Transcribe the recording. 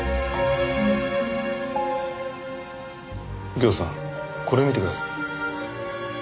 右京さんこれ見てください。